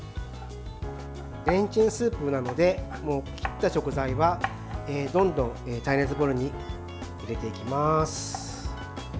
レンチンスープなので切った食材は、どんどん耐熱ボウルに入れていきます。